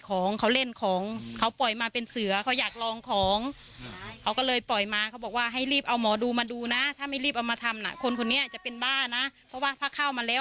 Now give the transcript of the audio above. ก่อนที่จะเอาหมอดูมาดูเนี่ยคือไปดูหมอแล้ว